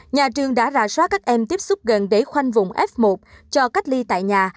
nhà trường đã rà soát các em tiếp xúc gần để khoanh vùng f một cho cách ly tại nhà